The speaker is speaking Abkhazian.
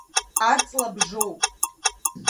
Аҵла бжоуп.